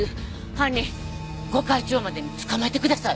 犯人御開帳までに捕まえてください。